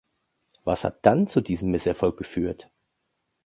Was hat dann zu diesem Misserfolg geführt?